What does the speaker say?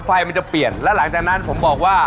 ไฟมันจะเปลี่ยนแล้วหลังจากนั้นผมบอกว่า